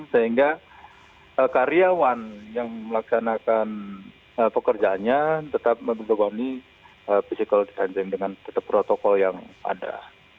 sehingga karyawan yang melaksanakan pekerjaannya tetap membebani physical distancing dengan tetap protokol yang ada